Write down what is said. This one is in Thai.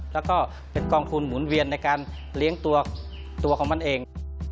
แล้วก็เป็นกองทุนหมุนเวียนในการเลี้ยงตัวของมันเอง